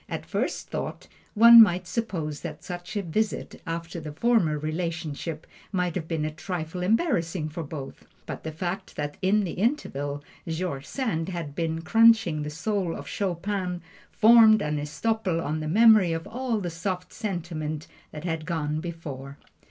At first thought, one might suppose that such a visit, after the former relationship, might have been a trifle embarrassing for both. But the fact that in the interval George Sand had been crunching the soul of Chopin formed an estoppel on the memory of all the soft sentiment that had gone before.